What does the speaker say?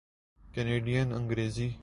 Canadian Angrezi